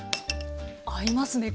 合いますね。